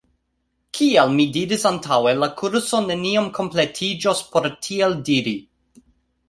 Kiel mi diris antaŭe la kurso neniam kompletiĝos por tiel diri.